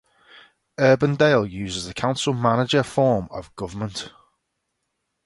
Urbandale uses the council-manager form of government.